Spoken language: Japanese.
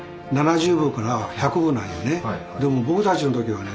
でも僕たちの時はね